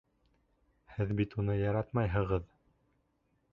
Һеҙ бит уны яратмайһығыҙ!